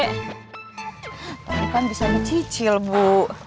ini kan bisa dicicil bu